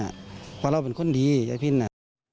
เพราะเราเป็นคนดียายพินอ่ะ